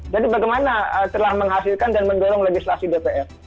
jadi bagaimana telah menghasilkan dan mendorong legislasi dpr